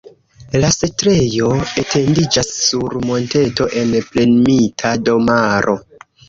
La setlejo etendiĝas sur monteto en premita domaro.